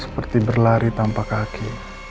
seperti berlari tanpa kaki